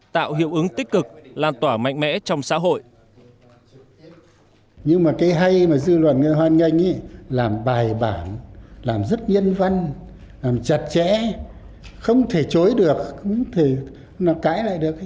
tạo hiệu ứng tích cực lan tỏa mạnh mẽ trong xã hội